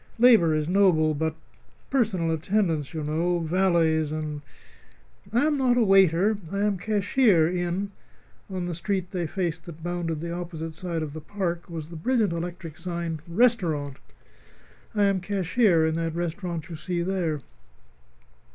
"Labor is noble, but personal attendance, you know valets and " "I am not a waiter. I am cashier in" on the street they faced that bounded the opposite side of the park was the brilliant electric sign "RESTAURANT" "I am cashier in that restaurant you see there."